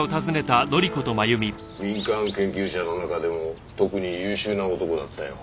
民間研究者の中でも特に優秀な男だったよ